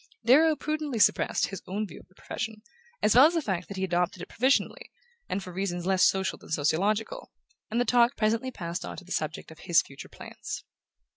Darrow prudently suppressed his own view of the profession, as well as the fact that he had adopted it provisionally, and for reasons less social than sociological; and the talk presently passed on to the subject of his future plans.